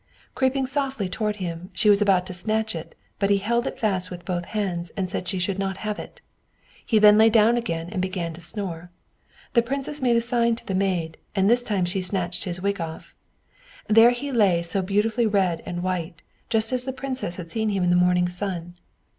Creeping softly toward him, she was about to snatch it, but he held it fast with both hands, and said she should not have it. He then lay down again and began to snore. The princess made a sign to the maid, and this time she snatched his wig off. There he lay so beautifully red and white, just as the princess had seen him in the morning sun.